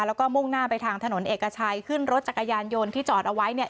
แล้วก็มุ่งหน้าไปทางถนนเอกชัยขึ้นรถจักรยานยนต์ที่จอดเอาไว้เนี่ย